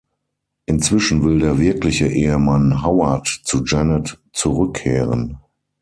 Inzwischen will der wirkliche Ehemann Howard zu Janet zurückkehren.